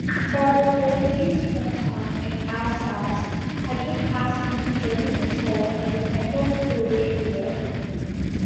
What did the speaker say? Bartholdi's hometown in Alsace had just passed into German control in the Franco-Prussian War.